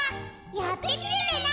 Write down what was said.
やってみるレナ。